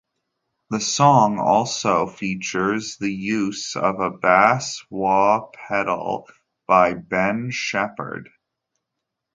The song also features the use of a bass wah pedal by Ben Shepherd.